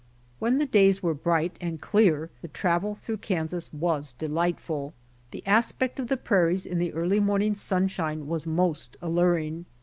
When the days were bright and clear the travel through Kansas was delightful. The aspect of the prairies in the early morning sunshine was most alluring.